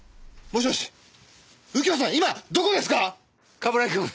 冠城くん